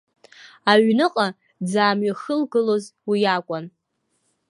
Аҩныҟа дзаамҩахылгалоз уи акәын.